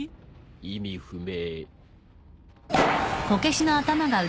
意味不明。